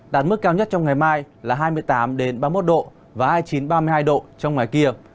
đạt mức cao nhất trong ngày mai là hai mươi tám ba mươi một độ và hai mươi chín ba mươi hai độ trong ngoài kia